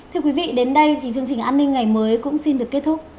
thưa quý vị đến đây thì chương trình an ninh ngày mới cũng xin được kết thúc